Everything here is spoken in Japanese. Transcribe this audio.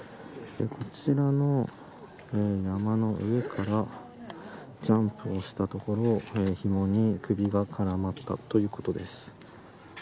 こちらの山の上からジャンプをしたところひもに首が絡まったということです。